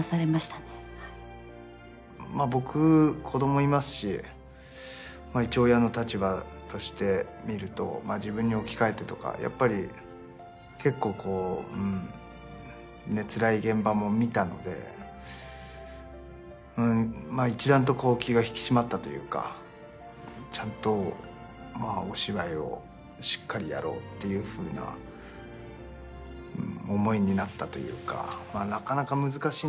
僕子供いますし一応親の立場として見ると自分に置き換えてとかやっぱり結構つらい現場も見たので一段と気が引き締まったというかちゃんとお芝居をしっかりやろうっていう思いになったというかなかなか難しいんですけどね。